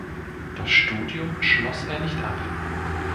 Das Studium schloss er nicht ab.